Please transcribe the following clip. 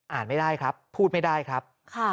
ไม่ได้ครับพูดไม่ได้ครับ